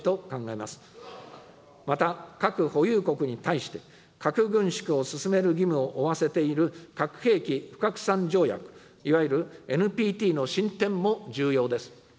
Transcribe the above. また、核保有国に対して、核軍縮を進める義務を負わせている核兵器不拡散条約、いわゆるＮＰＴの進展も重要です。